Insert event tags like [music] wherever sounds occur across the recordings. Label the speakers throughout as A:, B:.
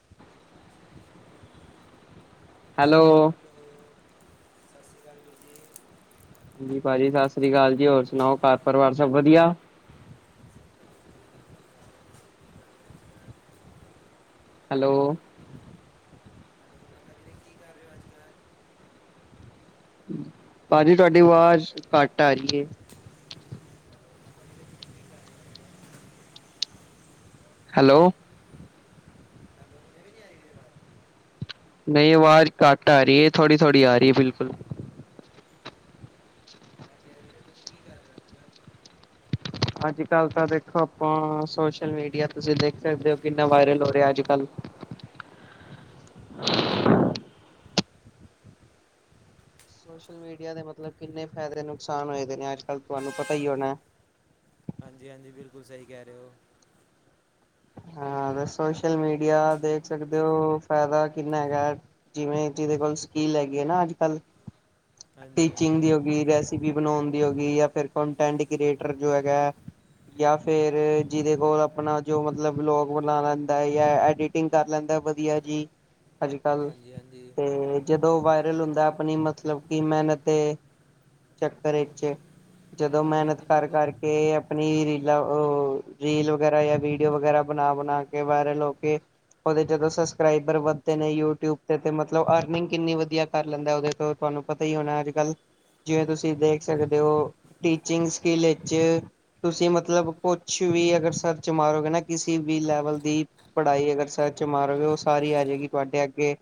A: [inaudible]
B: Hello
A: hello ਸਤਿ ਸ਼੍ਰੀ ਅਕਾਲ ਵੀਰ ਜੀ।
B: ਹਾਂਜੀ ਭਾਅਜੀ ਸਤਿ ਸ੍ਰੀ ਅਕਾਲ ਜੀ ਹੋਰ ਸੁਣਾਓ ਘਰ ਪਰਿਵਾਰ ਸਭ ਵਧੀਆ।
A: ਮਤਾ
B: ਹੈਲੋ
A: ਵੀਰੇ ਕੀ ਕਰ ਰਹੇ ਹੋ ਅਜ ਕੱਲ
B: ਭਾਜੀ ਤੁਹਾਡੀ ਆਵਾਜ਼ ਘੱਟ ਆ ਰਈ ਏ।
A: ਹੈਲੋ ਮਤਾ ਵੀਰੇ ਤੁਸੀਂ ਕੀ ਕਰ ਰਹੇ ਹੋ ਅੱਜ
B: ਹੈਲੋ
A: ਕੱਲ੍ਹ? ਹੈਲੋ ਮੇਰੇ ਨਹੀਂ ਆ ਰਹੀ ਵੀਰੇ ਆਵਾਜ਼
B: ਨਈ ਆਵਾਜ਼ ਘੱਟ ਆ ਰਹੀ ਹੈ ਥੋੜ੍ਹੀ-ਥੋੜ੍ਹੀ ਆ ਰਈ ਏ ਬਿਲਕੁਲ
A: ਮੈਂ ਕਹਿ
B: [inaudible]
A: ਰਿਹਾ ਤੁਸੀਂ ਕੀ ਕਰ ਰਹੇ ਹੋ ਅੱਜ ਕੱਲ੍ਹ
B: ਅੱਜ ਕੱਲ੍ਹ ਤਾਂ ਦੇਖੋ ਆਪਾਂ ਸੋਸ਼ਲ ਮੀਡੀਆ ਤੁਸੀਂ ਦੇਖ ਸਕਦੇ ਹੋ ਕਿੰਨਾ ਵਾਇਰਲ ਹੋ ਰਿਹਾ ਅੱਜ ਕੱਲ੍ਹ ਸੋਸ਼ਲ ਮੀਡੀਆ ਦੇ ਮਤਲਬ ਕਿੰਨੇ ਫਾਇਦੇ ਨੁਕਸਾਨ ਹੋਏ ਦੇ ਨੇ ਅੱਜ ਕੱਲ੍ਹ ਤੁਹਾਨੂੰ ਪਤਾ ਹੀ ਹੋਣਾ।
A: ਹਾਂਜੀ-ਹਾਂਜੀ ਬਿਲਕੁਲ ਸਹੀ ਕਹਿ ਰਹੇ ਹੋ।
B: ਹਾਂ ਤੇ ਸੋਸ਼ਲ ਮੀਡੀਆ ਦੇਖ ਸਕਦੇ ਹੋ ਫਾਇਦਾ ਕਿੰਨਾ ਹੈਗਾ। ਜਿਵੇਂ ਜਿਹਦੇ ਕੋਲ ਸਕਿੱਲ ਹੈਗੀ ਹੈ ਨਾ ਅੱਜ ਕੱਲ੍ਹ
A: ਹਾਂਜੀ
B: ਟੀਚਿੰਗ
A: ਹਾਂਜੀ
B: ਦੀ ਹੋਗੀ ਰੈਸਪੀ ਬਣਾਉਣ ਦੀ ਹੋਗੀ ਜਾਂ ਕੰਟੈਂਟ ਕ੍ਰੀਏਟਰ ਜੋ ਹੈਗਾ। ਜਾਂ ਫੇਰ ਜਿਹਦੇ ਕੋਲ ਆਪਣਾ ਜੋ ਮਤਲਬ ਵਲੋਗ ਬਣਾ ਲੈਂਦਾ ਹੈ ਜਾਂ ਐਡਿਟ ਟਿੰਗ ਕਰ ਲੈਂਦਾ ਵਧੀਆ ਜੀ। ਅੱਜ ਕੱਲ
A: ਹਾਂਜੀ ਹਾਂਜੀ
B: ਹੂੰ ਜਦੋਂ ਵਾਇਰਲ ਹੁੰਦਾ ਆਪਣੀ ਮਤਲਬ ਕਿ ਮਿਹਨਤ ਦੇ ਚੱਕਰ 'ਚ ਜਦੋਂ
A: ਹਾਂਜੀ
B: ਮਿਹਨਤ
A: ਹਾਂਜੀ
B: ਕਰ
A: ਬਿਲਕੁਲ
B: ਕਰਕੇ ਆ ਆਪਣੀ ਰੀਲਾਂ ਅ ਰੀਲ ਵਗੈਰਾ ਜਾਂ ਵੀਡਿਓ ਵਗੈਰਾ ਬਣਾ-ਬਣਾ ਕੇ ਵਾਇਰਲ ਹੋ ਕੇ ਉਹਦੇ ਜਦੋਂ ਸਬਸਕ੍ਰਾਈਬਰ ਵੱਧਦੇ ਨੇ ਯੂਟਿਊਬ ਤੇ-ਤੇ ਮਤਲਬ ਅਰਨਿੰਗ ਕਿੰਨੀ ਵਧੀਆ ਕਰ ਲੈਂਦਾ ਉਹਦੇ ਤੋਂ ਤੁਹਾਨੂੰ ਪਤਾ ਹੀ ਹੋਣਾ ਅੱਜ ਕੱਲ ਜਿਵੇਂ ਤੁਸੀਂ ਦੇਖ ਸਕਦੇ
A: ਹਾਂਜੀ
B: ਹੋ ਟੀਚਿੰਗ ਸਕਿੱਲ 'ਚ ਤੁਸੀਂ ਮਤਲਬ ਕੁਛ ਵੀ ਅਗਰ ਸਰਚ ਮਾਰੋਗੇ ਨਾ ਕਿਸੇ ਵੀ ਲੈਵਲ ਦੀ ਪੜ੍ਹਾਈ ਅਗਰ ਸਰਚ ਮਾਰੋਗੇ ਉਹ ਸਾਰੀ ਆ ਜਾਏਗੀ ਤੁਹਾਡੇ ਅੱਗੇ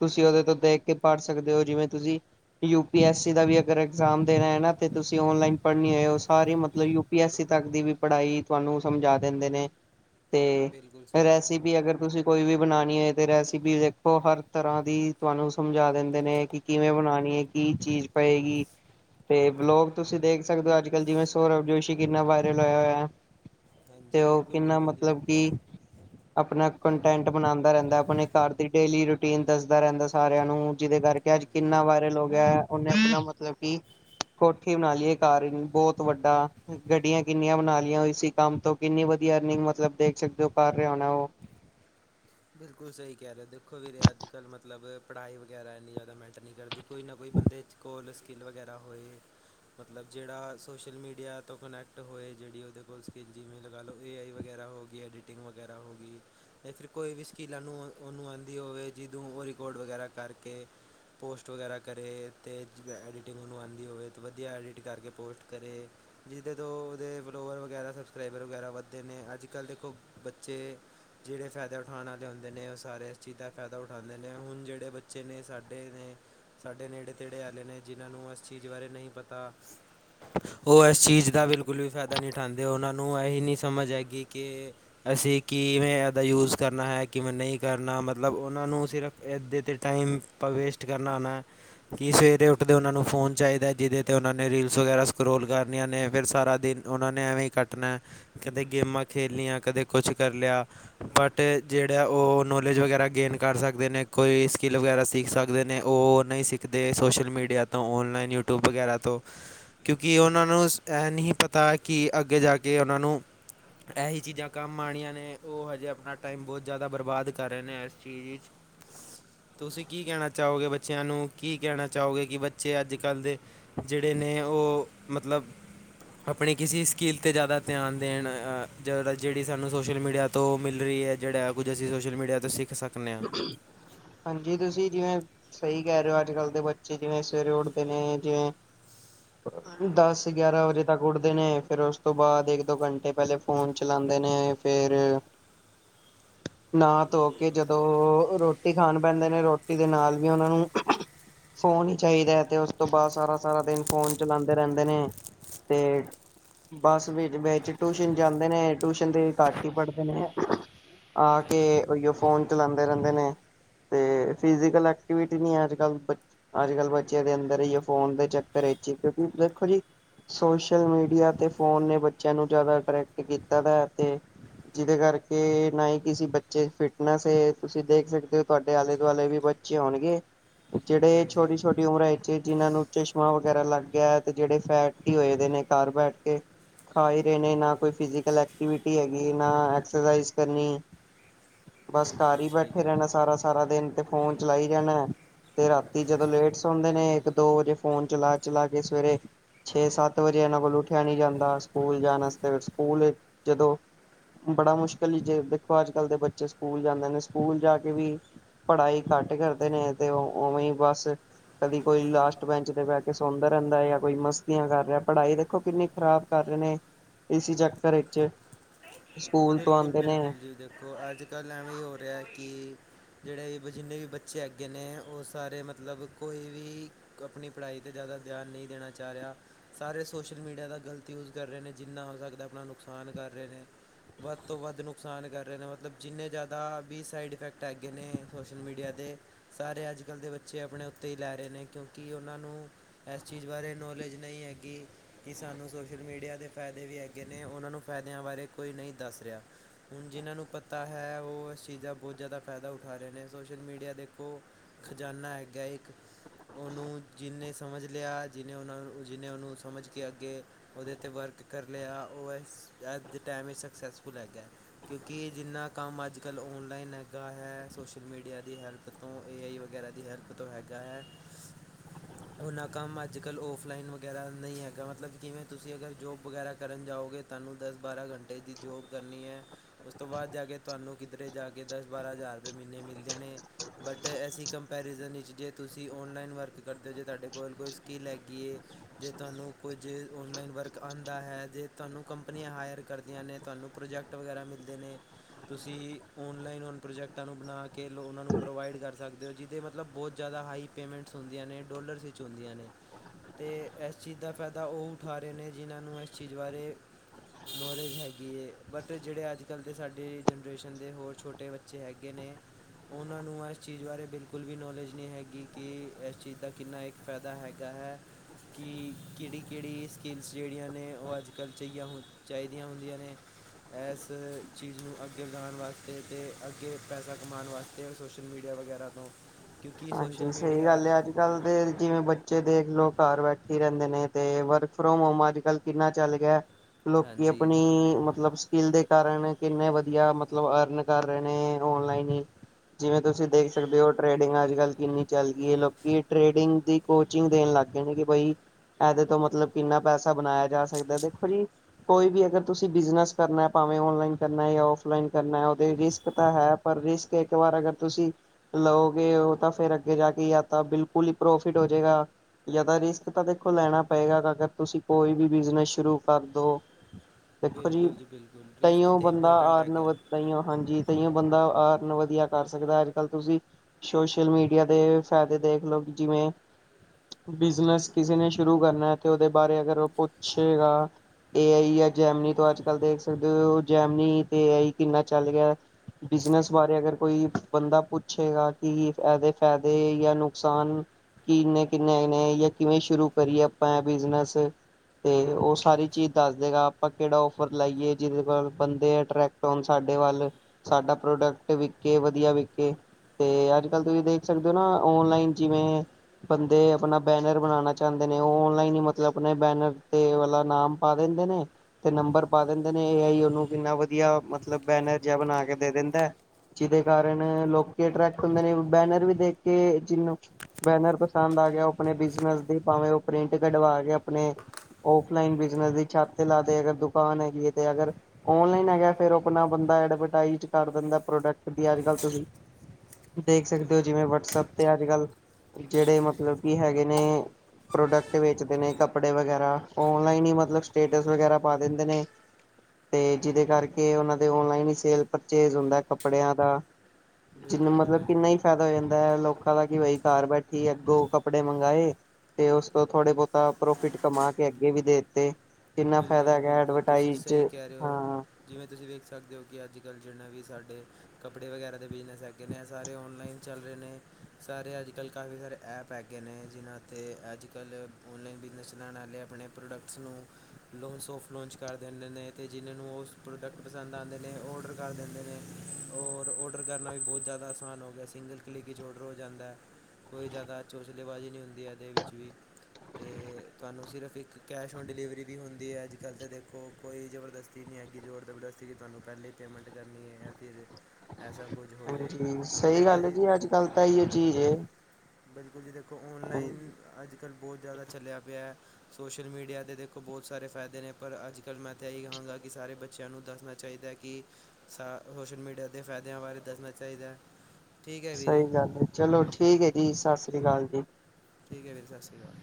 B: ਤੁਸੀਂ ਉਹਦੇ ਤੋਂ ਦੇਖ ਕੇ ਪੜ੍ਹ ਸਕਦੇ ਹੋ ਜਿਵੇਂ ਤੁਸੀਂ ਯੂ ਪੀ ਐੱਸ ਸੀ ਦਾ ਵੀ ਅਗਰ ਇਗਜ਼ਾਮ ਦੇਣਾ ਹੈ ਨਾ ਤੇ ਤੁਸੀਂ ਔਨਲਾਈਨ ਪੜ੍ਹਨੀ ਹੋਏ ਹੋ ਸਾਰੇ ਮਤਲਬ U U P S C ਤੱਕ ਦੀ ਵੀ ਪੜ੍ਹਾਈ ਤੁਹਾਨੂੰ ਸਮਝਾ ਦਿੰਦੇ ਨੇ।
A: [inaudible]
B: ਤੇ
A: ਬਿਲਕੁਲ ਸਹੀ ਕਹਿ ਰਹੇ ਹੋ
B: ਰੈਸਿਪੀ ਅਗਰ ਤੁਸੀਂ ਕੋਈ ਵੀ ਬਣਾਣੀ ਹੋਏ ਤੇ ਰੈਸਿਪੀ ਦੇਖੋ ਹਰ ਤਰ੍ਹਾਂ ਦੀ ਤੁਹਾਨੂੰ ਸਮਝਾ ਦਿੰਦੇ ਨੇ ਕਿ ਕਿਵੇਂ ਬਣਾਣੀ ਹੈ। ਕੀ ਚੀਜ਼ ਪਏਗੀ। ਤੇ ਬਲੌਗ ਤੁਸੀਂ ਦੇਖ ਸਕਦੇ ਹੋ ਅੱਜ ਕੱਲ ਜਿਵੇਂ ਸੌਰਭ ਜੋਸ਼ੀ ਕਿੰਨਾ ਵਾਇਰਲ ਹੋਇਆ-ਹੋਇਆ।
A: ਹਾਂਜੀ
B: ਤੇ ਉਹ
A: ਬਿਲਕੁਲ
B: ਕਿੰਨਾ
A: ਬਿਲਕੁਲ ਜੀ
B: ਮਤਲਬ ਕਿ ਆਪਣਾ ਕੰਟੈਂਟ ਬਣਾਦਾ ਰੈਂਦਾ ਆਪਣੇ ਘਰ ਦੀ ਡੇਲੀ ਰੂਟੀਨ ਦੱਸਦਾ ਰੈਂਦਾ ਸਾਰਿਆਂ ਨੂੰ ਜਿਹਦੇ ਕਰਕੇ ਕਿ ਅੱਜ
A: ਹਾਂਜੀ
B: ਕਿੰਨਾ ਵਾਇਰਲ ਹੋ ਗਿਆ ਉਹਨੇ ਅਪਣਾ ਮਤਲਬ ਕਿ ਕੋਠੀ ਬਣਾ ਲਈਏ ਘਰ ਬੋਤ ਵੱਡਾ ਗੱਡੀਆਂ ਕਿੰਨੀਆਂ ਬਣਾ ਲਈਆਂ ਹੋਈ ਏਸੀ ਕੰਮ ਤੋਂ ਕਿੰਨੀ ਵਧੀਆ ਐਰਨਿੰਗ ਮਤਲਬ ਦੇਖ ਸਕਦੇ ਹੋ ਕਰ ਰਿਆ ਹੋਣਾ ਓ।
A: ਬਿਲਕੁਲ ਸਹੀ ਕਹਿ ਰਹੇ ਦੇਖੋ ਵੀਰੇ, ਅੱਜ ਕੱਲ੍ਹ ਮਤਲਬ ਪੜ੍ਹਾਈ ਵਗੈਰਾ ਇੰਨੀ ਜ਼ਿਆਦਾ ਮੈਟਰ ਨਹੀਂ ਕਰਦੀ ਕੋਈ ਨਾ ਕੋਈ ਬੰਦੇ ਚ ਕੋਲ ਸਕਿੱਲ ਵਗੈਰਾ ਹੋਏ, ਮਤਲਬ ਜਿਹੜਾ ਸੋਸ਼ਲ ਮੀਡੀਆ ਤੋਂ ਕਨੈਕਟ ਹੋਏ, ਜਿਹੜੀ ਉਹਦੇ ਕੋਲ ਸਕਿੱਲ ਜਿਵੇਂ ਲਗਾ ਲਓ ਏ ਆਈ ਵਗੈਰਾ ਹੋਏ। ਐਡਿਟਿੰਗ ਵਗੈਰਾ ਹੋ ਗਈ ਜਾਂ ਫਿਰ ਕੋਈ ਵੀ ਸਕਿੱਲ। ਸਕੀਲਾਂ ਨੂੰ ਉਹਨੂੰ ਆਉਂਦੀ ਹੋਵੇ, ਜਿਹਦੂੰ ਉਹ ਰਿਕਾਰਡ ਵਗੈਰਾ ਕਰਕੇ ਪੋਸਟ ਵਗੈਰਾ ਕਰੇ ਅਤੇ ਐਡੀਟਿੰਗ ਉਹਨੂੰ ਆਉਂਦੀ ਹੋਵੇ ਤਾਂ ਵਧੀਆ ਐਡਿਟ ਕਰਕੇ ਪੋਸਟ ਕਰੇ। ਜਿਦੇ ਤੋਂ ਉਹਦੇ ਫਲੋਵਰ ਵਗੈਰਾ ਸਬਸਕ੍ਰਾਈਬਰ ਵਗੈਰਾ ਵੱਧਦੇ ਨੇ, ਅੱਜ ਕੱਲ੍ਹ ਦੇਖੋ ਬੱਚੇ ਜਿਹੜੇ ਫਾਇਦਾ ਉਠਾਉਣਾ ਜਾਣਦੇ ਨੇ ਉਹ ਸਾਰੇ ਇਸ ਚੀਜ਼ ਦਾ ਫਾਇਦਾ ਉਠਾਉਂਦੇ ਨੇ, ਹੁਣ ਜਿਹੜੇ ਬੱਚੇ ਨੇ ਸਾਡੇ ਨੇ ਸਾਡੇ ਨੇੜੇ ਤੇੜੇ ਆਲੇ ਨੇ ਜਿਨਾਂ ਨੂੰ ਉਸ ਚੀਜ਼ ਬਾਰੇ ਨਹੀਂ ਪਤਾ। ਉਹ ਇਸ ਚੀਜ਼ ਦਾ ਬਿਲਕੁਲ ਵੀ ਫਾਇਦਾ ਨਹੀਂ ਉਠਾਂਂਦੇ, ਉਹਨਾਂ ਨੂੰ ਇਹੀ ਨਹੀਂ ਸਮਝ ਹੈਗੀ ਕਿ ਅਸੀਂ ਕਿਵੇਂ ਇਹਦਾ ਯੂਜ ਕਰਨਾ ਹੈ, ਕਿਵੇਂ ਨਹੀਂ ਕਰਨਾ, ਮਤਲਬ ਉਹਨਾਂ ਨੂੰ ਸਿਰਫ ਇੱਦੇ ਤੇ ਟਾਈਮ ਆਪਾਂ ਵੇਸਟ ਕਰਨਾ ਆਣਾ ਕਿ ਕਿ ਸਵੇਰੇ ਉੱਠਦੇ ਉਹਨਾਂ ਨੂੰ ਫੋਨ ਚਾਹੀਦਾ ਜਿਹਦੇ ਤੇ ਉਹਨਾਂ ਨੇ ਰੀਲਸ ਵਗੈਰਾ ਸਕਰੋਲ ਕਰਨੀਆਂ ਨੇ, ਫਿਰ ਸਾਰਾ ਦਿਨ ਉਹਨਾਂ ਨੇ ਐਵੇਂ ਕੱਟਣਾ ਕਦੇ ਗੇਮਾਂ ਖੇਲ ਲੀਆਂ, ਕਦੇ ਕੁਛ ਕਰ ਲਿਆ ਬਟ ਜਿਹੜਾ ਉਹ ਨੌਲੇਜ ਵਗੈਰਾ ਗੇਨ ਕਰ ਸਕਦੇ ਨੇ, ਕੋਈ ਸਕਿੱਲ ਵਗੈਰਾ ਸਿੱਖ ਸਕਦੇ ਨੇ ਉਹ ਨਹੀਂ ਸਿੱਖ ਤੇ ਸੋਸ਼ਲ ਮੀਡੀਆ ਤੋਂ ਔਨਲਾਈਨ ਯੂਟਿਊਬ ਵਗੈਰਾ ਤੋਂ, ਕਿਉਂਕਿ ਉਹਨਾਂ ਨੂੰ ਇਹ ਨਹੀਂ ਪਤਾ ਕਿ ਅੱਗੇ ਜਾ ਕੇ ਉਹਨਾਂ ਨੂੰ ਇਹੀ ਚੀਜ਼ਾਂ ਕੰਮ ਆਉਣੀਆਂ ਨੇ, ਉਹ ਹਜੇ ਆਪਣਾ ਟਾਈਮ ਬਹੁਤ ਜ਼ਿਆਦਾ ਬਰਬਾਦ ਕਰਹੇ ਨੇ ਇਸ ਚੀਜ਼ ਵਿੱਚ ਤੁਸੀਂ ਕੀ ਕਹਿਣਾ ਚਾਹੋਗੇ ਬੱਚਿਆਂ ਨੂੰ, ਕੀ ਕਹਿਣਾ ਚਾਹੋਗੇ ਕਿ ਬੱਚੇ ਅੱਜ ਕੱਲ੍ਹ ਦੇ ਜਿਹੜੇ ਨੇ ਉਹ ਮਤਲਬ ਆਪਣੀ ਕਿਸੇ ਸਕਿੱਲ 'ਤੇ ਜ਼ਿਆਦਾ ਧਿਆਨ ਦੇਣ, ਜ ਜਿਹੜੀ ਸਾਨੂੰ ਸੋਸ਼ਲ ਮੀਡੀਆ ਤੋਂ ਮਿਲ ਰਹੀ ਹੈ ਜਿਹੜਾ ਕੁਝ ਅਸੀਂ ਸੋਸ਼ਲ ਮੀਡੀਆ ਤੋਂ ਸਿੱਖ ਸਕਣ।
B: ਹਾਂਜੀ, ਤੁਸੀਂ ਜਿਵੇਂ ਸਹੀ ਕਹਿ ਰਹੇ ਹੋ, ਅੱਜ ਕੱਲ੍ਹ ਦੇ ਬੱਚੇ ਜਿਵੇਂ ਸਵੇਰੇ ਉੱਠਦੇ ਨੇ ਜਿਵੇਂ ਦਸ ਗਿਆਰਾਂ ਵਜੇ ਤੱਕ ਉੱਠਦੇ ਨੇ, ਫਿਰ ਉਸ ਤੋਂ ਬਾਅਦ ਇੱਕ ਦੋ ਘੰਟੇ ਪਹਿਲੇ ਫੋਨ ਚਲਾਉਂਦੇ ਨੇ ਫਿਰ
A: [unintelligible]
B: ਨਾ ਧੋ ਕੇ ਜਦੋਂ ਰੋਟੀ ਖਾਣ ਬਹਿੰਦੇ ਨੇ ਰੋਟੀ ਦੇ ਨਾਲ ਵੀ ਉਹਨਾਂ ਨੂੰ ਫੋਨ ਹੀ ਚਾਹੀਦਾ ਹੈ ਤੇ ਉਸ ਤੋਂ ਬਾਅਦ ਸਾਰਾ ਸਾਰਾ ਦਿਨ ਫੋਨ ਚਲਾਉਦੇ ਰਹਿੰਦੇ ਨੇ ਤੇ ਬਸ ਵਿੱਚ ਟਿਊਸ਼ਨ ਜਾਂਦੇ ਨੇ, ਟਿਊਸ਼ਨ ਤੇ ਵੀ ਘੱਟ ਹੀ ਪੜ੍ਹਦੇ ਨੇ ਆ ਕੇ ਉਹੀਓ ਫੋਨ ਚਲਾਉਂਦੇ ਰਹਿੰਦੇ ਨੇ ਅਤੇ ਫਿਜ਼ੀਕਲ ਐਕਟੀਵਿਟੀ ਨਹੀਂ ਹੈ ਅੱਜ ਕੱਲ ਅੱਜ ਕੱਲ੍ਹ ਬੱਚਿਆਂ ਦੇ ਅੰਦਰ ਹੀ ਫੋਨ ਦੇ ਚੱਕਰ ਦੇ ਵਿੱਚ, ਕਿਉਂਕਿ ਦੇਖੋ ਜੀ ਸੋਸ਼ਲ ਮੀਡੀਆ ਤੇ ਫੋਨ ਨੇ ਬੱਚਿਆਂ ਨੂੰ ਜ਼ਿਆਦਾ ਅਟਰ੍ਰੈਕਟ ਕੀਤਾ ਹੈ ਅਤੇ ਜਿਹਦੇ ਕਰਕੇ ਨਾ ਹੀ ਕਿਸੇ ਬੱਚੇ ਫਿਟਨੈਸ ਤੇ ਤੁਸੀਂ ਦੇਖ ਸਕਦੇ ਹੋ ਤੁਹਾਡੇ ਆਲੇ ਦੁਆਲੇ ਵੀ ਬੱਚੇ ਹੋਣਗੇ ਜਿਹੜੇ
A: ਹਾਂਜੀ
B: ਛੋਟੀ ਛੋਟੀ ਉਮਰਾਂ ਚ', ਜਿਨਾਂ ਨੂੰ ਚਸ਼ਮਾ ਵਗੈਰਾ ਲੱਗ ਗਿਆ ਤੇ ਜਿਹੜੇ ਫੈਟੀ ਹੀ ਹੋਏ ਦੇ ਨੇ ਘਰ ਬੈਠ ਕੇ ਖਾ ਹੀ ਰਹੇ ਨੇ ਨਾ ਕੋਈ ਫਿਜ਼ੀਕਲ ਐਕਟੀਵਿਟੀ ਹੈਗੀ, ਨਾ ਐਕਸਰਸਾਈਜ਼ ਕਰਨੀ। ਬਸ ਘਰ
A: ਬਿਲਕੁਲ
B: ਹੀ
A: ਸਹੀ
B: ਬੈਠੇ
A: ਕਹਿ ਰਹੇ
B: ਰਹਿਣਾ
A: ਹੋ
B: ਸਾਰਾ ਸਾਰਾ ਦਿਨ ਤੇ ਫੋਨ ਚਲਾਈ ਜਾਣਾ ਤੇ ਰਾਤੀ ਜਦੋਂ ਲੇਟ ਸੋਂਦੇ ਨੇ ਇੱਕ ਦੋ ਵਜੇ ਫੋਨ ਚਲਾ ਚਲਾ ਕੇ ਸਵੇਰੇ, ਛੇ ਸੱਤ ਵਜੇ ਇਹਨਾਂ ਕੋਲ ਉੱਠਿਆ ਨਹੀਂ ਜਾਂਦਾ, ਸਕੂਲ ਜਾਣ ਵਾਸਤੇ ਸਕੂਲ ਜਦੋਂ ਬੜਾ ਮੁਸ਼ਕਿਲ ਹੀ ਜੇ ਦੇਖੋ ਅੱਜ ਕੱਲ੍ਹ ਦੇ ਬੱਚੇ ਸਕੂਲ ਜਾਂਦੇ ਨੇ, ਸਕੂਲ ਜਾ ਕੇ ਵੀ ਪੜ੍ਹਾਈ ਘੱਟ ਕਰਦੇ ਨੇ, ਤੇ ਉਵੇਂ ਬਸ ਕਦੀ ਕੋਈ ਲਾਸਟ ਬੈਂਚ ਤੇ ਬਹਿ ਕੇ ਸੌਦਾ ਰਹਿੰਦਾ ਹੈ ਜਾਂ ਕੋਈ ਮਸਤੀਆਂ ਕਰ ਰਿਹਾ ਪੜ੍ਹਾਈ ਦੇ ਵਿਖੋ ਕਿੰਨੀ ਖ਼ਰਾਬ ਕਰ ਰਹੇ ਨੇ, ਇਸੇ ਚੱਕਰ ਵਿੱਚ ਸਕੂਲ ਤੋਂ
A: ਬਿਲਕੁੱਲ
B: ਆਉਂਦੇ ਨੇ
A: ਬਿਲਕੁੱਲ ਜੀ, ਦੇਖੋ ਅੱਜ ਕੱਲ੍ਹ ਐਵੇਂ ਹੀ ਹੋ ਰਿਹਾ ਕਿ ਜਿਹੜੇ ਜਿੰਨੇ ਵੀ ਬੱਚੇ ਹੈਗੇ ਨੇ, ਉਹ ਸਾਰੇ ਮਤਲੱਬ ਕੋਈ ਵੀ ਆਪਣੀ ਪੜ੍ਹਾਈ ਤੇ ਜ਼ਿਆਦਾ ਧਿਆਨ ਨਹੀਂ ਦੇਣਾ ਚਾਹ ਰਿਹਾ। ਸਾਰੇ ਸੋਸ਼ਲ ਮੀਡੀਆ ਦਾ ਗ਼ਲਤ ਯੂਜ ਕਰ ਰਹੇ ਨੇ, ਜਿੰਨਾ ਹੋ ਸਕਦਾ ਆਪਣਾ ਨੁਕਸਾਨ ਕਰ ਰਹੇ ਨੇ ਵੱਧ ਤੋਂ ਵੱਧ ਨੁਕਸਾਨ ਕਰ ਰਹੇ ਨੇ, ਮਤਲਬ ਜਿੰਨੇ ਜ਼ਿਆਦਾ ਵੀ ਸਾਈਡ ਇਫੈਕਟ ਹੈਗੇ ਨੇ ਸੋਸ਼ਲ ਮੀਡੀਆ ਦੇ ਸਾਰੇ ਅੱਜ ਕੱਲ੍ਹ ਦੇ ਬੱਚੇ ਆਪਣੇ ਉੱਤੇ ਹੀ ਲੈ ਰਹੇ ਨੇ, ਕਿਉਂਕਿ ਉਹਨਾਂ ਨੂੰ ਇਸ ਚੀਜ਼ ਬਾਰੇ ਨੌਲੇਜ ਨਹੀਂ ਹੈਗੀ। ਕਿ ਸਾਨੂੰ ਸੋਸ਼ਲ ਮੀਡੀਆ ਦੇ ਫਾਇਦੇ ਵੀ ਹੈਗੇ ਨੇ, ਉਹਨਾਂ ਨੂੰ ਫਾਇਦਿਆਂ ਬਾਰੇ ਕੋਈ ਨਹੀਂ ਦੱਸ ਰਿਹਾ। ਹੁਣ ਜਿਹਨਾਂ ਨੂੰ ਪਤਾ ਹੈ ਉਹ ਇਸ ਚੀਜ਼ ਦਾ ਬਹੁਤ ਜ਼ਿਆਦਾ ਫਾਇਦਾ ਉਠਾ ਰਹੇ ਨੇ, ਸੋਸ਼ਲ ਮੀਡੀਆ ਦੇਖੋ ਖਜ਼ਾਨਾ ਹੈਗਾ ਇੱਕ ਉਹਨੂੰ ਜਿਹਨੇ ਸਮਝ ਲਿਆ, ਜਿਹਨੇ ਉਹਨਾਂ ਨੂੰ ਜਿਹਨੇ ਉਹਨੂੰ ਸਮਝ ਕੇ ਅੱਗੇ ਉਹਦੇ 'ਤੇ ਵਰਕ ਕਰ ਲਿਆ ਉਹ ਅੱਜ ਦੇ ਟਾਈਮ ਵਿੱਚ ਸਕਸੈਸਫੁਲ ਹੈਗਾ। ਕਿਉਂਕਿ ਜਿੰਨਾ ਕੰਮ ਅੱਜ ਕੱਲ੍ਹ ਔਨਲਾਈਨ ਹੈਗਾ ਹੈ ਸੋਸ਼ਲ ਮੀਡੀਆ ਦੀ ਹੈਲਪ ਤੋਂ ਏ ਆਈ ਵਗੈਰਾ ਦੀ ਹੈਲਪ ਤੋਂ ਹੈਗਾ ਹੈ। ਉਹਨਾਂ ਕੰਮ ਅੱਜ ਕੱਲ੍ਹ ਔਫਲਾਈਨ ਵਗੈਰਾ ਨਹੀਂ ਹੈਗਾ, ਮਤਲਬ ਕਿਵੇਂ ਤੁਸੀਂ ਅਗਰ ਜੋਬ ਵਗੈਰਾ ਕਰਨ ਜਾਓਗੇ ਤੁਹਾਨੂੰ ਦਸ ਬਾਰ੍ਹਾਂ ਘੰਟੇ ਦੀ ਜੋਬ ਕਰਨੀ ਹੈ, ਉਸ ਤੋਂ ਬਾਅਦ ਜਾ ਕੇ ਤੁਹਾਨੂੰ ਕਿਧਰੇ ਜਾ ਕੇ ਦਸ ਬਾਰਾਂ ਹਜ਼ਾਰ ਰੁਪਏ ਮਹੀਨੇ ਮਿਲਦੇ ਨੇ ਬਟ ਐਸੀਂ ਕੰਪੈਰੀਜ਼ਨ ਵਿੱਚ ਜੇ ਤੁਸੀਂ ਔਨਲਾਈਨ ਵਰਕ ਕਰਦੇ ਹੋ, ਜੇ ਤੁਹਾਡੇ ਕੋਲ ਕੋਈ ਸਕਿੱਲ ਹੈਗੀ ਹੈ ਜੇ ਤੁਹਾਨੂੰ ਕੁਝ ਔਨਲਾਈਨ ਵਰਕ ਆਉਂਦਾ ਹੈ ਜੇ ਤੁਹਾਨੂੰ ਕੰਪਨੀਆਂ ਹਾਇਰ ਕਰਦੀਆਂ ਨੇ ਤੁਹਾਨੂੰ ਪ੍ਰੋਜੈਕਟ ਵਗੈਰਾ ਮਿਲਦੇ ਨੇ, ਤੁਸੀਂ ਔਨਲਾਈਨ ਉਹਨ ਪ੍ਰੋਜੈਕਟਾਂ ਨੂੰ ਬਣਾ ਕੇ ਲੋ ਉਹਨਾਂ ਨੂੰ ਪ੍ਰੋਵਾਈਡ ਕਰ ਸਕਦੇ ਹੋ, ਜਿਹਦੇ ਮਤਲਬ ਬਹੁਤ ਜ਼ਿਆਦਾ ਹਾਈ ਪੇਮੈਂਟਸ ਹੁੰਦੀਆਂ ਨੇ ਡੋਲਰਸ ਵਿੱਚ ਹੁੰਦੀਆਂ ਨੇ, ਅਤੇ ਇਸ ਚੀਜ਼ ਦਾ ਫਾਇਦਾ ਉਹ ਉਠਾ ਰਹੇ ਨੇ ਜਿਨ੍ਹਾਂ ਨੂੰ ਇਸ ਚੀਜ਼ ਬਾਰੇ ਨੌਲੇਜ ਹੈਗੀ ਹੈ ਬਟ ਜਿਹੜੇ ਅੱਜ ਕੱਲ੍ਹ ਦੇ ਸਾਡੀ ਜਨਰੇਸ਼ਨ ਦੇ ਹੋਰ ਛੋਟੇ ਬੱਚੇ ਹੈਗੇ ਨੇ ਉਹਨਾਂ ਨੂੰ ਇਸ ਚੀਜ਼ ਬਾਰੇ ਬਿਲਕੁਲ ਵੀ ਨੌਲੇਜ ਨਹੀਂ ਹੈਗੀ, ਕਿ ਇਸ ਚੀਜ਼ ਦਾ ਕਿੰਨਾ ਇੱਕ ਫਾਇਦਾ ਹੈਗਾ ਹੈ ਕਿ ਕਿਹੜੀ ਕਿਹੜੀ ਸਕਿੱਲਸ ਜਹੜੀਆਂ ਨੇ, ਉਹ ਅੱਜ ਕੱਲ ਜਾਹੀ ਆ ਹੁਣ ਚਾਹੀਦੀਆਂ ਹੁੰਦੀਆਂ ਨੇ। ਇਸ ਚੀਜ਼ ਨੂੰ ਅੱਗੇ ਵਧਾਉਣ ਵਾਸਤੇ ਅਤੇ ਅੱਗੇ ਪੈਸਾ ਕਮਾਉਣ ਵਾਸਤੇ ਸੋਸ਼ਲ ਮੀਡੀਆ ਵਗੈਰਾ ਤ ਕਿਉਂਕਿ ਸੋਸ਼ਲ ਮੀਡੀਆ
B: ਅ ਕੱਲ ਦੇ ਜਿਵੇਂ ਬੱਚੇ ਦੇਖ ਲਓ ਘਰ ਬੈਠੀ ਰਹਿੰਦੇ ਨੇ, ਤੇ ਵਰਕ ਫਰੋਮ ਹੋਮ ਅੱਜ ਕੱਲ ਕਿੰਨਾ ਚੱਲ ਗਿਆ, ਲੋਕੀ
A: ਹਾਂਜੀ
B: ਆਪਣੀ ਮਤਲਬ ਸਕਿਲ ਦੇ ਕਾਰਨ ਕਿੰਨੇ ਵਧੀਆ ਮਤਲਬ ਅਰਨ ਕਰ ਰਹੇ ਨੇ ਓਨਲਾਈਨ ਹੀ ਜਿਵੇਂ ਤੁਸੀਂ ਦੇਖ ਸਕਦੇ ਹੋ ਟ੍ਰੇਡਿੰਗ ਅੱਜ ਕੱਲ੍ਹ ਕਿੰਨੀ ਚੱਲ ਗਈ ਹੈ ਲੋਕੀ ਟ੍ਰੇਡਿੰਗ ਦੀ ਕੋਚਿੰਗ ਦੇਣ ਲੱਗ ਗਏ ਨੇ ਕਿ ਬਈ ਇਹਦੇ ਤੋਂ ਮਤਲਬ ਕਿੰਨਾ ਪੈਸਾ ਬਣਾਇਆ ਜਾ ਸਕਦਾ, ਦੇਖੋ ਜੀ ਕੋਈ ਵੀ ਅਗਰ ਤੁਸੀਂ ਬਿਜਨਸ ਕਰਨਾ ਭਾਵੇਂ ਔਨਲਾਈਨ ਕਰਨਾ ਜਾਂ ਔਫਲਾਈਨ ਕਰਨਾ ਉਹਦੇ ਰਿਸਕ ਤਾਂ ਹੈ ਪਰ ਰਿਸਕ ਇੱਕ ਵਾਰ ਅਗਰ ਤੁਸੀਂ ਲਓਗੇ ਹੋ ਤਾਂ ਫੇਰ ਅੱਗੇ ਜਾ ਕੇ ਆ ਤਾਂ ਬਿਲਕੁਲ ਹੀ ਪ੍ਰੋਫਿਟ ਹੋ ਜਾਏਗਾ ਜਦਾ ਰਿਸਕ ਤਾਂ ਦੇਖੋ ਲੈਣਾ ਪਏਗਾ, ਅਗਰ ਤੁਸੀਂ ਕੋਈ ਵੀ ਬਿਜਨਸ ਸ਼ੁਰੂ ਕਰ ਦੋ ਦੇਖੋ ਜੀ
A: ਬਿਲਕੁਲ ਬਿਲਕੁਲ ਰਿਸਕ
B: ਤਈਓ
A: ਤੇ
B: ਬੰਦਾ
A: ਇੰਪੋਰਟੈਂਟ
B: ਆਰਨ
A: ਹੈਗਾ
B: ਵਓ ਹਾਂਜੀ ਤਹਿਯੋ ਬੰਦਾ ਅਰਨ ਵਧੀਆ ਕਰ ਸਕਦਾ, ਅੱਜ ਕੱਲ੍ਹ ਤੁਸੀਂ ਸੋਸ਼ਲ ਸੋਸ਼ਲ ਮੀਡੀਆ ਦੇ ਫਾਇਦੇ ਦੇਖ ਲਓ, ਜਿਵੇਂ ਬਿਜਨਸ ਕਿਸੇ ਨੇ ਸ਼ੁਰੂ ਕਰਨਾ ਤੇ ਉਹਦੇ ਬਾਰੇ ਅਗਰ ਉਹ ਪੁੱਛੇਗਾ ਏ ਆਈ ਯਾ ਜੈਮਨੀ ਤੋਂ ਅੱਜ ਕੱਲ ਦੇਖ ਸਕਦੇ ਹੋ, ਜੈਮਨੀ ਤੇ ਏ ਆਈ ਕਿੰਨਾ ਚੱਲ ਗਿਆ ਬਿਜਨਸ ਬਾਰੇ ਅਗਰ ਕੋਈ ਬੰਦਾ ਪੁੱਛੇਗਾ ਕਿ ਫਾਇਦੇ ਫਾਇਦੇ ਏ ਐ, ਜਾਂ ਨੁਕਸਾਨ ਕਿ ਕਿੰਨੇ ਕਿੰਨੇ ਨੇ, ਜਾਂ ਕਿਵੇਂ ਸ਼ੁਰੂ ਕਰੀਏ ਆਪਾਂ ਬਿਜਨਸ ਤੇ ਉਹ ਸਾਰੀ ਚੀਜ਼ ਦੱਸ ਦੇਗਾ ਆਪਾਂ ਕਿਹੜਾ ਔਫਰ ਲਾਈਏ ਜਿਹਦੇ ਕੋਲ ਬੰਦੇ ਅਟਰੈਕਟ ਹੁਣ ਸਾਡੇ ਵੱਲ ਸਾਡਾ ਪ੍ਰੋਡਕਟ ਵਿਕੇ ਵਧੀਆ ਵਿਕੇ, ਤੇ ਯਾਰ ਤੁਸੀਂ ਦੇਖ ਸਕਦੇ ਹੋ ਨਾ ਔਨਲਾਈਨ ਜਿਵੇਂ ਬੰਦੇ ਆਪਣਾ ਬੈਨਰ ਬਣਾਉਣਾ ਚਾਹੁੰਦੇ ਨੇ, ਉਹ ਔਨਲਾਈਨ ਹੀ ਮਤਲਬ ਆਪਣੇ ਬੈਨਰ ਤੇ ਏ ਵਾਲਾ ਨਾਮ ਪਾ ਦਿੰਦੇ ਨੇ ਤੇ ਨੰਬਰ ਪਾ ਦਿੰਦੇ ਨੇ ਇਹ, ਐ ਈ ਉਹਨੂੰ ਕਿੰਨਾ ਵਧੀਆ ਮਤਲਬ ਬੈਨਰ ਜੇਹਾ ਬਣਾ ਕੇ ਦੇ ਦਿੰਦਾ ਜਿਹਦੇ ਕਾਰਨ ਲੋਕੀ ਅਟਰੈਕਟ ਹੁੰਦੇ ਨੇ ਬੈਨਰ ਵੀ ਦੇਖ ਕੇ ਜਿਹਨੂੰ ਬੈਨਰ ਪਸੰਦ ਆ ਗਿਆ, ਉਹ ਆਪਣੇ ਬਿਜਨਸ ਦੇ ਭਾਵੇਂ ਉਹ ਪ੍ਰਿੰਟ ਕਢਵਾ ਕੇ ਆਪਣੇ ਔਫਲਾਈਨ ਬਿਜਨਸ ਦੀ ਛਾਤ ਤੇ ਲਾ ਦੇ, ਅਗਰ ਦੁਕਾਨ ਹੈਗੀ ਹੈ, ਤੇ ਅਗਰ ਓਨਲਾਈਨ ਹੈਗਾ ਫੇਰ ਆਪਣਾ ਬੰਦਾ ਐਡਵਰਟਾਈਜ਼ ਕਰ ਦਿੰਦਾ ਪ੍ਰੋਡਕਟ ਦੀ ਅੱਜ ਕੱਲ ਤੁਸੀਂ ਦੇਖ ਸਕਦੇ ਹੋ
A: ਬਿਲਕੁਲ
B: ਜਿਵੇਂ ਵਟਸਐਪ ਤੇ ਅੱਜ ਕੱਲ੍ਹ ਜਿਹੜੇ ਮਤਲਬ ਕਿ ਹੈਗੇ ਨੇ ਪ੍ਰੋਡਕਟ ਵੇਚਦੇ ਨੇ ਕੱਪੜੇ ਵਗੈਰਾ ਓਨਲਾਈਨ ਹੀ ਮਤਲਬ ਸਟੇਟਸ ਵਗੈਰਾ ਪਾ ਦਿੰਦੇ ਨੇ ਤੇ ਜਿਹਦੇ ਕਰਕੇ ਉਹਨਾਂ ਦੇ ਔਨਲਾਈਨ ਹੀ ਸੇਲ ਪਰਚੇਜ ਹੁੰਦਾ, ਕੱਪੜਿਆਂ ਦਾ ਜਿਨੂੰ
A: ਬਿਲਕੁਲ ਜੀ
B: ਮਤਲਬ ਕਿੰਨਾ
A: ਬਿਲਕੁਲ
B: ਹੀ ਹੋ ਫਾਇਦਾ ਜਾਂਦਾ ਹੈ ਲੋਕਾਂ ਦਾ ਕਿ ਬਾਈ ਘਰ ਬੈਠੀ ਅੱਗੋਂ ਕੱਪੜੇ ਮੰਗਵਾਏ ਤੇ ਉਸ ਤੋਂ ਥੋੜ੍ਹੇ ਬਹੁਤਾ ਪ੍ਰੋਫਿਟ ਕਮਾ ਕੇ ਅੱਗੇ ਵੀ ਦੇ ਦਿੱਤੇ ਕਿੰਨਾ
A: ਬਿਲਕੁਲ
B: ਫਾਇਦਾ
A: ਜੀ
B: ਹੈਗਾ ਐ
A: ਬਿਲਕੁਲ ਤੁਸੀਂ
B: ਐਡਵਰਟਾਈਜ਼,
A: ਸਹੀ ਕਹਿ ਰਹੇ ਹੋ
B: ਹਾਂ
A: ਜਿਵੇਂ ਤੁਸੀਂ ਵੇਖ ਸਕਦੇ ਹੋ ਕਿ ਅੱਜ ਕੱਲ੍ਹ ਜਿੰਨੇ ਵੀ ਸਾਡੇ ਕੱਪੜੇ ਵਗੈਰਾ ਦੇ ਬਿਜਨਸ ਹੈਗੇ ਨੇ, ਐ ਸਾਰੇ ਔਨਲਾਈਨ ਚੱਲ ਰਹੇ ਨੇ ਸਾਰੇ ਅੱਜ ਕੱਲ੍ਹ ਕਾਫ਼ੀ ਸਾਰੇ ਐਪ ਹੈਗੇ ਨੇ ਜਿਨ੍ਹਾਂ 'ਤੇ ਅੱਜ ਕੱਲ੍ਹ ਔਨਲਾਈਨ ਬਿਜ਼ਨਸ ਚਲਾਉਂਣ ਵਾਲੇ ਆਪਣੇਂ ਪ੍ਰੋਡਕਟਸ ਨੂੰ ਲੋੌ ਸੋਫਟ ਲੋਂਚ ਕਰ ਦਿੰਦੇ ਨੇ, ਤੇ ਜਿਹਨ੍ਹਾਂ ਨੂੰ ਉਹ ਪ੍ਰੋਡਕਟ ਪਸੰਦ ਆਉਂਦੇ ਨੇ ਔਡਰ ਕਰ ਦਿੰਦੇ ਨੇ ਔਰ ਔਡਰ ਕਰਨਾਂ ਵੀ ਬਹੁਤ ਜ਼ਿਆਦਾ ਆਸਾਨ ਹੋ ਗ਼ਿਆ, ਸਿੰਗਲ ਕਲਿੱਕ ' ਚ ਔਡਰ ਹੋ ਜਾਂਦਾ ਕੋਈ ਜ਼ਿਆਦਾ ਚੋਚਲੇਬਾਜ਼ੀ ਨਹੀਂ ਹੁੰਦੀ ਇਹਦੇ ਵਿੱਚ ਵੀ ਤੇ ਤੁਹਾਨੂੰ ਸਿਰਫ਼ ਇੱਕ ਕੈਸ਼ ਔਨ ਡਿਲੀਵਰੀ ਵੀ ਹੁੰਦੀ ਹੈ ਅੱਜ ਕੱਲ੍ਹ ਤਾਂ ਦੇਖੋ ਕੋਈ ਜ਼ਬਰਦਸਤੀ ਨਹੀਂ ਹੈਗੀ, ਜ਼ੋਰ ਜ਼ਬਰਦਸਤੀ ਕਿ ਤੁਹਾਨੂੰ ਪਹਿਲੇ ਪੇਮੈਂਟ ਕਰਨੀਂ ਹੈ ਫ਼ੇਰ
B: ਹਾਂਜੀ ਸਹੀ ਗੱਲ ਏ ਜੀ, ਅੱਜ ਕੱਲ੍ਹ ਤਾਂ ਇਹੀ ਚੀਜ਼ ਐ
A: ਬਿਲਕੁੱਲ ਜੀ ਦੇਖੋਂ ਔਨਲਾਈਨ ਅੱਜ ਕੱਲ੍ਹ ਬਹੁਤ ਜ਼ਿਆਦਾ ਚੱਲਿਆ ਪਿਆ ਹੈ, ਸੋਸ਼ਲ ਮੀਡੀਆ 'ਤੇ ਦੇਖੋ ਬਹੁਤ ਸਾਰੇ ਫ਼ਾਇਦੇ ਨੇਂ, ਪਰ ਅੱਜ ਕੱਲ੍ਹ ਮੈਂ ਤਾਂ ਇਹੀ ਕਹਾਂਗਾ ਕਿ ਸਾਰੇ ਬੱਚਿਆਂ ਨੂੰ ਦੱਸਣਾ ਚਾਹੀਂਦਾ ਹੈਂ ਕੀ ਸਾ ਸੋਸ਼ਲ ਮੀਡੀਆ ਦੇ ਫ਼ਾਇਦੇਆ ਬਾਰੇ ਦੱਸਣਾਂ ਚਾਹੀਂਦਾ
B: ਸਹੀ ਗੱਲ ਹੈ, ਚਲੋ ਠੀਕ ਹੈ ਜੀ ਸਤਿ ਸ੍ਰੀ ਅਕਾਲ ਜੀ
A: ਠੀਕ ਹੈ ਜੀ ਸਤਿ ਸ਼੍ਰੀ ਅਕਾਲ